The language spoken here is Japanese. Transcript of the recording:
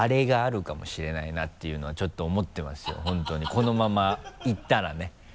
このままいったらね。